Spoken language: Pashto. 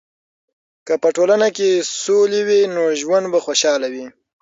که په ټولنه کې سولې وي، نو ژوند به خوشحاله وي.